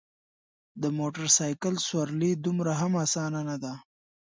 د موټرسایکل سوارلي دومره هم اسانه نده.